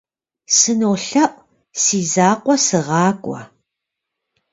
СынолъэӀу, си закъуэ сыгъакӀуэ.